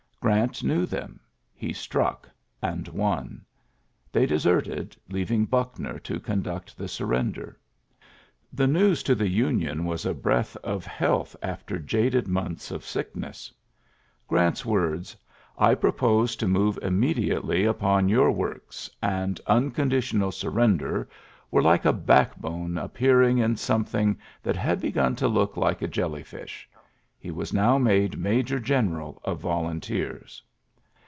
Grant knew them. He struck, and won. They de serted, leaving Buckner to conduct the surrender. The news to the Union was a breath of health after jaded months of sickness. Grant's words, '^I propose to move immediately upon your works," and "unconditional surrender," were like a backbone appearing in something that had begun to look like a jelly fish. He was now made major general of vol unteers.